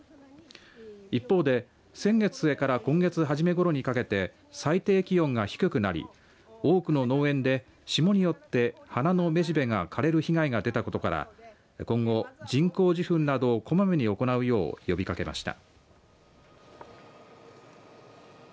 一方で先月末から今月初めごろにかけて最低気温が低くなり多くの農園で霜によって花の雌しべが枯れる被害が出たことから今後、人工授粉などをこまめに行うよう呼びかけました。